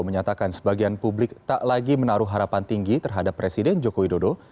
menyatakan sebagian publik tak lagi menaruh harapan tinggi terhadap presiden joko widodo